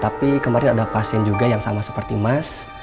tapi kemarin ada pasien juga yang sama seperti mas